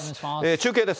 中継です。